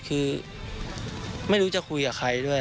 คือไม่รู้จะคุยกับใครด้วย